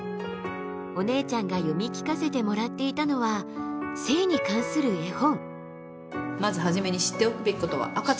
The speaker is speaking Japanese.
お姉ちゃんが読み聞かせてもらっていたのは性に関する絵本。